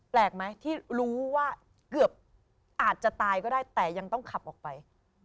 แปลกไหมที่รู้ว่าเกือบอาจจะตายก็ได้แต่ยังต้องขับออกไป